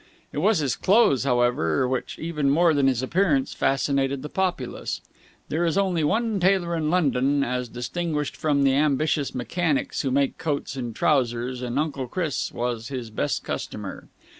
It was his clothes, however, which, even more than his appearance, fascinated the populace. There is only one tailor in London, as distinguished from the ambitious mechanics who make coats and trousers, and Uncle Chris was his best customer.